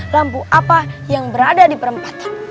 lampu apa yang berada di perempatan